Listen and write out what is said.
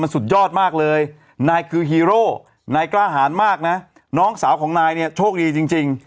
สุดยอดมากเลยนายคือฮีโร่นายกล้าหารมากนะน้องสาวของนายเนี่ยโชคดีจริง